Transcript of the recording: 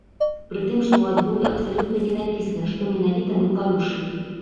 Пры тым, што ў адмове абсалютна не напісана, што менавіта мы парушылі.